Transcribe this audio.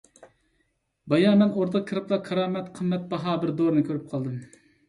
بايا مەن ئوردىغا كىرىپلا كارامەت قىممەت باھا بىر دورىنى كۆرۈپ قالدىم.